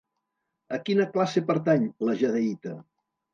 A quina classe pertany la jadeïta?